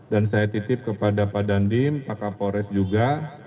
dan saya titip kepada pak dandim pak kapolres juga